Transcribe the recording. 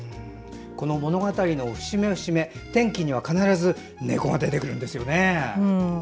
物語の節目節目、転機には必ず猫が出てくるんですよね。